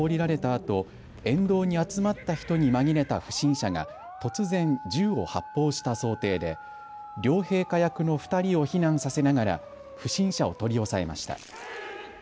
あと沿道に集まった人に紛れた不審者が突然銃を発砲した想定で両陛下役の２人を避難させながら不審者を取り押さえました。